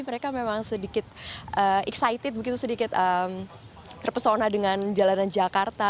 memang sedikit excited sedikit terpesona dengan jalanan jakarta